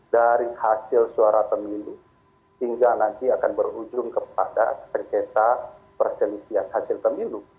dari hasil suara pemilu hingga nanti akan berujung kepada sengketa perselisihan hasil pemilu